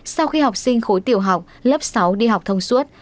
sau khi học sinh khối tiểu học lớp sáu đi học thông suốt